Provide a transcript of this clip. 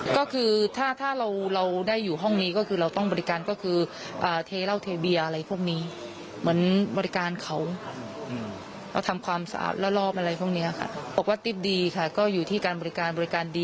เพื่อนทางมานานไว้ไหมครับ